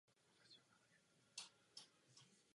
Jednoznačně řečeno, povinnost investovat je rozhodující.